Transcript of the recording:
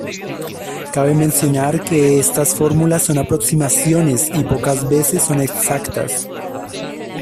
Cabe mencionar que estas fórmulas son aproximaciones y pocas veces son exactas.